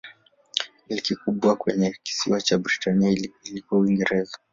Milki kubwa kwenye kisiwa cha Britania ilikuwa Uingereza.